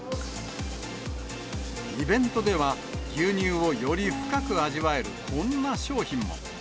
イベントでは、牛乳をより深く味わえるこんな商品も。